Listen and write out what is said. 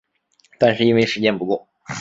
但是因为时间不够